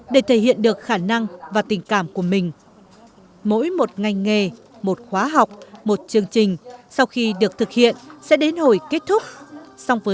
để thể hiện được khả năng và tính năng